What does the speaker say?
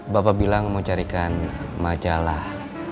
bapak bilang mau carikan majalah